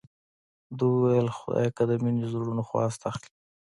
دې وویل خدایه که د مینې زړونو خواست اخلې.